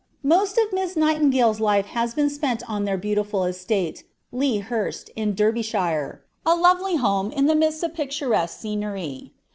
Most of Miss Nightingale's life has been spent on their beautiful estate, Lea Hurst, in Derbyshire, a lovely home in the midst of picturesque scenery.